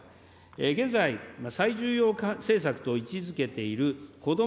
現在、最重要政策と位置づけている、こども・